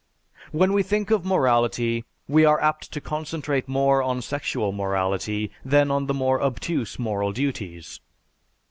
When we think of morality we are apt to concentrate more on sexual morality than on the more obtuse moral duties.